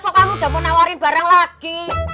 so kamu udah mau nawarin barang lagi